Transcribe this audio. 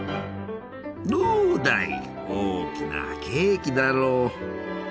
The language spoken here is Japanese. どうだい大きなケーキだろう！